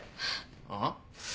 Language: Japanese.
あっ？